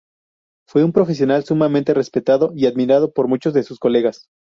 Fue un profesional sumamente respetado y admirado por muchos de sus colegas.